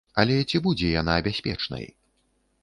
Але ці будзе яна бяспечнай?